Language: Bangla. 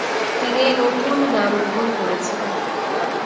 তিনি এই নতুন নাম গ্রহণ করেছিলেন।